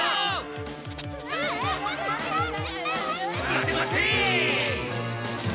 待て待て！